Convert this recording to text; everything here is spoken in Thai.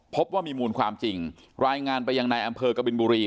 พบว่ามีมูลความจริงรายงานไปยังในอำเภอกบินบุรี